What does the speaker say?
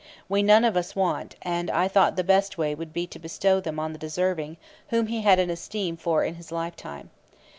We none of us want, and I thought the best way would be to bestow them on the deserving whom he had an esteem for in his lifetime.